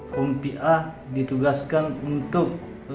kompi a ditugaskan untuk